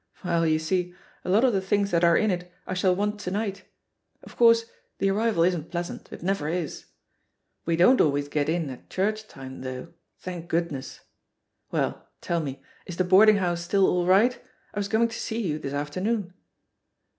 "Well, you see, a lot of the things that are in it I shall want to night. Of course, the arrival isn't pleasant ; it never is. We don't always get in at church time, though, thank goodness I ,Well, tell me, is the boarding house still all right? I was coming to see you this afternoon.'